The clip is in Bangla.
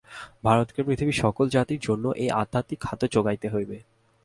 ভারতকে পৃথিবীর সকল জাতির জন্য এই আধ্যাত্মিক খাদ্য যোগাইতে হইবে।